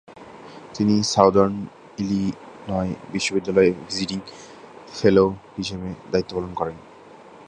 তিনি Southern Illinois বিশ্ববিদ্যালয়ে visiting fellow হিসেবে দায়িত্ব পালন করেন।